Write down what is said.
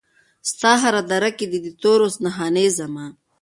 ستا هره دره کې دي د تورو نښانې زما